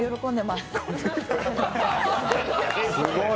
すごい！